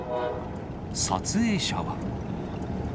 撮影者は。